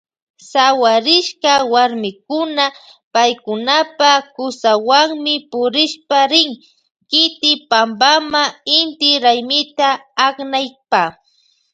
Sawarishka warmikuna paykunapa kusawanmi purishpa rin kiti pampama inti raymita aknaypa.